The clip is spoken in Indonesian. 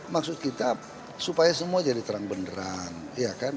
maksud kita supaya semua jadi terang benderang